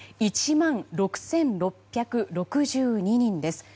１万６６６２人です。